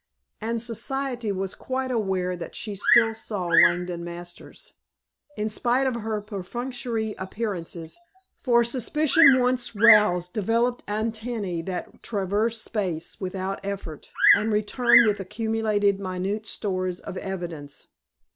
And Society was quite aware that she still saw Langdon Masters, in spite of her perfunctory appearances; for suspicion once roused develops antennae that traverse space without effort and return with accumulated minute stores of evidence.